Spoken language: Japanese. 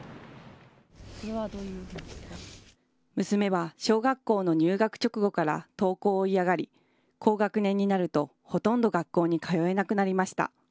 娘は小学校の入学直後から登校を嫌がり、高学年になると、ほとんど学校に通えなくなりました。